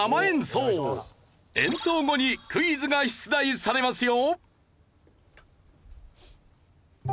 演奏後にクイズが出題されますよ。